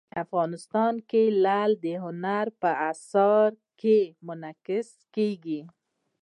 افغانستان کې لعل د هنر په اثار کې منعکس کېږي.